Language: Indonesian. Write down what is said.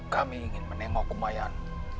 kami ingin menengok kumayan